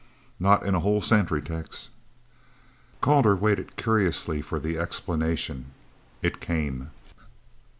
"Not in a whole century, Tex." Calder waited curiously for the explanation. It came.